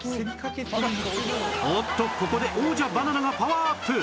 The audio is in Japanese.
おっとここで王者バナナがパワーアップ